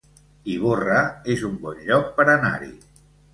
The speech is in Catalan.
Ivorra es un bon lloc per anar-hi